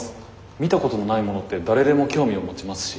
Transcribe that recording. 見たことのないものって誰でも興味を持ちますし。